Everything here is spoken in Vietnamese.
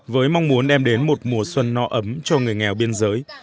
với mong muốn đem đến một mùa xuân no ấm cho người nghèo biên giới